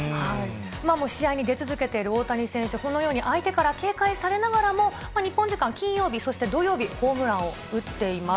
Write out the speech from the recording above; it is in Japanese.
今も試合に出続けている大谷選手、このように相手から警戒されながらも、日本時間金曜日、そして土曜日、ホームランを打っています。